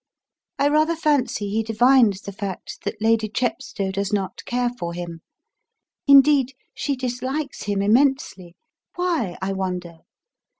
I rather fancy he divines the fact that Lady Chepstow does not care for him. Indeed, she dislikes him immensely. Why, I wonder?